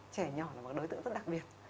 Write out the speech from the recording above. trẻ nhỏ là một đối tượng rất đặc biệt